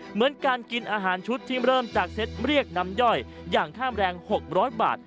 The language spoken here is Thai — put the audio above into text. เหมือนการกินอาหารชุดที่เริ่มจากเซ็ตเรียกน้ำย่อยอย่างข้ามแรง๖๐๐บาท